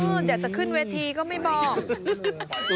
อยากจะขึ้นเวทีก็ไม่บอก